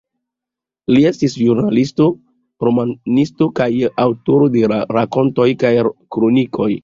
Li estis ĵurnalisto, romanisto kaj aŭtoro de rakontoj kaj kronikoj.